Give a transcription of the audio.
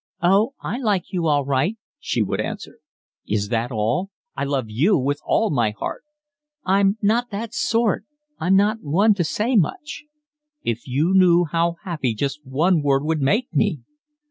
"Oh, I like you all right," she would answer. "Is that all? I love you with all my heart." "I'm not that sort, I'm not one to say much." "If you knew how happy just one word would make me!"